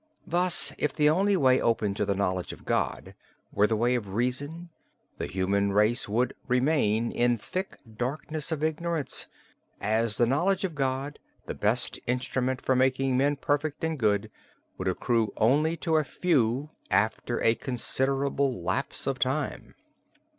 Thus if the only way open to the knowledge of God were the way of reason, the human race would (remain) in thick darkness of ignorance: as the knowledge of God, the best instrument for making men perfect and good, would accrue only to a few after a considerable lapse of time.